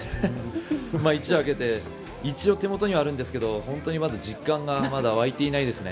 一夜明けて一応、手元にはあるんですけど実感が湧いてないですね。